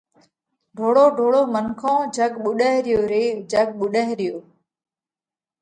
ڍوڙو ڍوڙو منکون، جڳ ٻُوڏئه ريو ري، جڳ ٻُوڏئه ريو۔